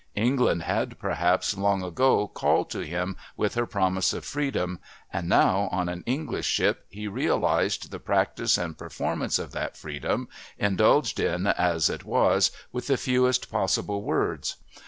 England had, perhaps, long ago called to him with her promise of freedom, and now on an English ship he realised the practice and performance of that freedom, indulged in, as it was, with the fewest possible words.